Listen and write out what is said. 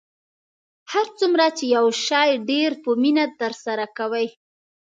هر څومره چې یو شی ډیر په مینه ترسره کوئ